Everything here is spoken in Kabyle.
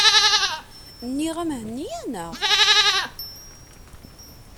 Nniɣ-am henni-aneɣ.